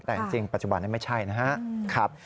แต่จริงปัจจุบันนั้นไม่ใช่นะฮะ